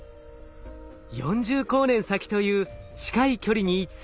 ４０光年先という近い距離に位置するトラピスト